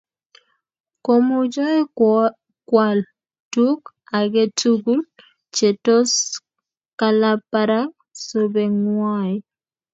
Komuchoi kwal tukk ake tukul che tos kalab barak sobengwai